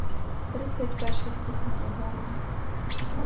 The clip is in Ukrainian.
Тридцять перший стукнув у голову!